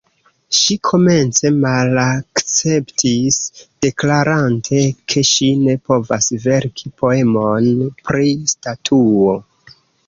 Ŝi komence malakceptis, deklarante ke ŝi ne povas verki poemon pri statuo.